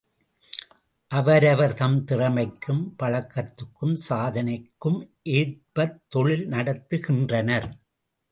அவரவர் தம் திறமைக்கும் பழக்கத்துக்கும் சாதனைக்கும் ஏற்பத் தொழில் நடத்துகின்றனர்.